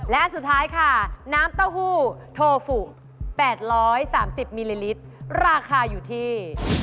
และอันสุดท้ายค่ะน้ำเต้าหู้โทฟู๘๓๐มิลลิลิตรราคาอยู่ที่